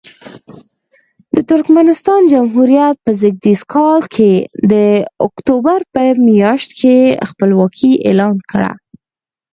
د ترکمنستان جمهوریت په زېږدیز کال د اکتوبر په میاشت کې خپلواکي اعلان کړه.